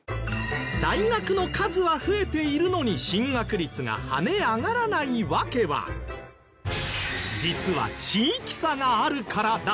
大学の数は増えているのに進学率が跳ね上がらない訳は実は地域差があるからだった！？